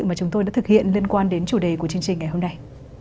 mà chúng tôi đã thực hiện liên quan đến chủ đề của chương trình ngày hôm nay